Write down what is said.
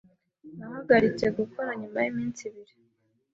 Nahagaritse gukorora nyuma yiminsi ibiri.